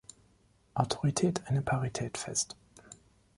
Autorität eine Parität fest.